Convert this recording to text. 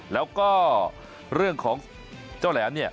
แล้วก็เรื่องของเจ้าแหลมเนี่ย